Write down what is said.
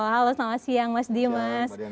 halo selamat siang mas dimas